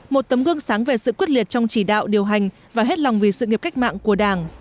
một tấm gương sáng về sự quyết liệt trong chỉ đạo điều hành và hết lòng vì sự nghiệp cách mạng của đảng